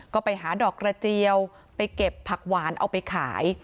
ก็ไปหาดอกกระเจียวไปเก็บผักหวานเอาไปขาย